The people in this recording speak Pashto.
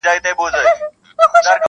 • د اګسټ د میاشتي پر دیارلسمه -